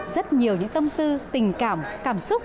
rất nhiều những tâm tư tình cảm cảm xúc